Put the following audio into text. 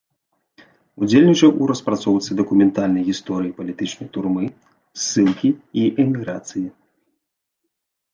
Удзельнічаў у распрацоўцы дакументальнай гісторыі палітычнай турмы, ссылкі і эміграцыі.